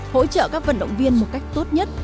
hỗ trợ các vận động viên một cách tốt nhất